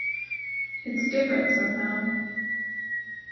It's different somehow.